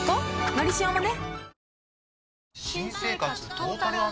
「のりしお」もね